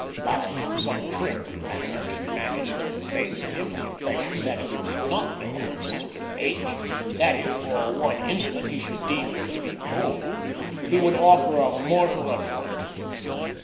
By some trick of manner she managed to convey to him the impression that if he did not know her sister Page, that if for one instant he should deem her to be bold, he would offer a mortal affront.